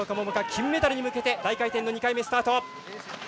金メダルに向けて大回転の２回目スタート。